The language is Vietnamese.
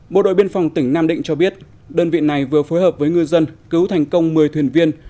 bộ đội biên phòng tỉnh nam định cho biết đơn vị này vừa phối hợp với ngư dân cứu thành công một mươi thuyền viên